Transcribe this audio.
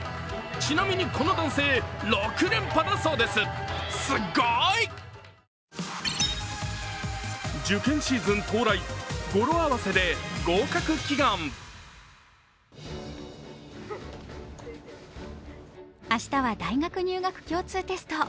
ちなみにこの男性６連覇だそうです、すごい！明日は大学入学共通テスト。